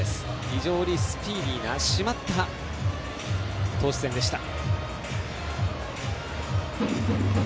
非常にスピーディーな締まった投手戦でした。